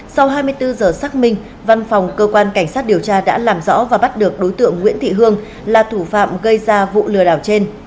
sau hai mươi bốn giờ xác minh văn phòng cơ quan cảnh sát điều tra đã làm rõ và bắt được đối tượng nguyễn thị hương là thủ phạm gây ra vụ lừa đảo trên